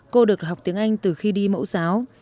cô được học tiếng anh từ khi đi mẫu giáo